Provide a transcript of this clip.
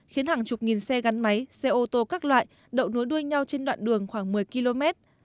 khiến hàng chục nghìn xe gắn máy xe ô tô các loại đậu nối đuôi nhau trên đoạn đường khoảng một mươi km